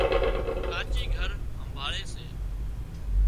ڪاچِي گھر همڀاۯي سي